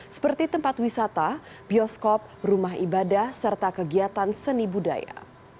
seperti tempat wisata bioskop rumah ibadah serta kegiatan seni budaya